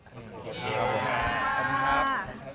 ขอบคุณครับ